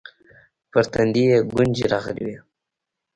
پر تندي يې گونځې راغلې وې.